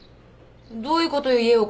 どういうことよ？